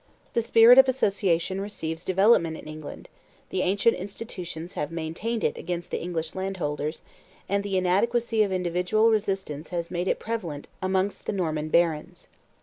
The spirit of association receives development in England: the ancient institutions have maintained it amongst the English landholders, and the inadequacy of individual resistance has made it prevalent amongst the Norman barons.